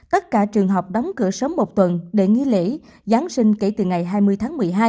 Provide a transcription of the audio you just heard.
tất cả trường học đóng cửa sớm một tuần để nghỉ lễ giáng sinh kể từ ngày hai mươi tháng một mươi hai